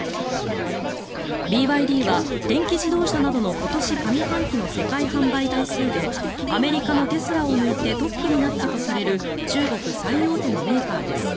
ＢＹＤは電気自動車などの今年上半期の世界販売台数でアメリカのテスラを抜いてトップになったとされる中国最大手のメーカーです。